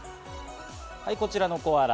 こちらのコアラ。